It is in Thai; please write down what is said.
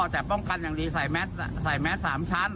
แต่ป้องกันอย่างดีใส่แมส๓ชั้น